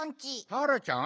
ターラちゃん？